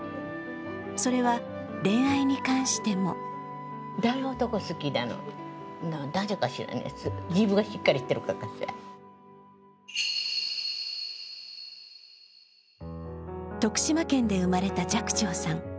それは、恋愛に関しても徳島県で生まれた寂聴さん。